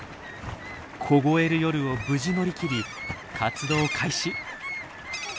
凍える夜を無事乗り切り活動開始。